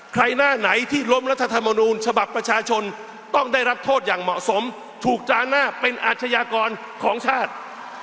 ใครหน้าไหนที่ล้มรัฐธรรมนูญฉบับประชาชนต้องได้รับโทษอย่างเหมาะสมถูกจานหน้าเป็นอาชญากรของชาติ